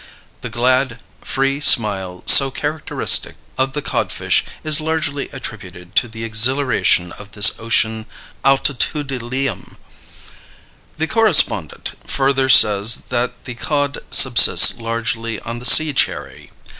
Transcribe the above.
The glad, free smile so characteristic of the codfish is largely attributed to the exhilaration of this oceanic altitoodleum. The correspondent further says that "the cod subsists largely on the sea cherry."